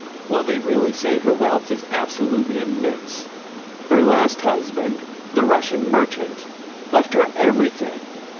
'Well, they really say her wealth is absolutely immense. Her last husband, the Russian merchant, left her everything.